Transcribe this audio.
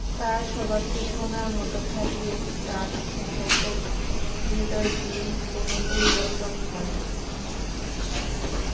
তাঁর স্বভাবটি সোনার মত খাঁটি এবং তাঁর স্নেহপ্রবণ হৃদয়টির কোন পরির্বতন হয়নি।